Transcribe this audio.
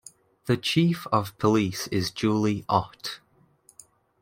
The chief of police is Julie Ott.